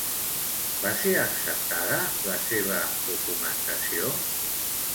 Va ser acceptada la seva documentació?